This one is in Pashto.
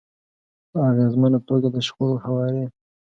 -په اغیزمنه توګه د شخړو هواری